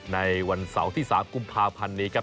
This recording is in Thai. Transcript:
ในวันเสาร์ที่๓กุมภาพันธ์นี้ครับ